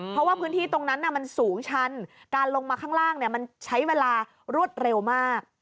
เพราะว่าพื้นที่ตรงนั้นมันสูงชันการลงมาข้างล่างมันใช้เวลารวดเร็วมาก